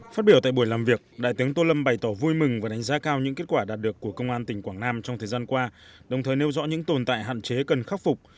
phát biểu tại buổi làm việc đại tướng tô lâm bày tỏ vui mừng và đánh giá cao những kết quả đạt được của công an tỉnh quảng nam trong thời gian qua đồng thời nêu rõ những tồn tại hạn chế cần khắc phục